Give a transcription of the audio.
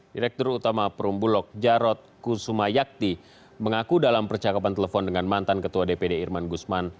direktur utama perumbulok jarod kusumayakti mengaku dalam percakapan telepon dengan mantan ketua dpd irman gusman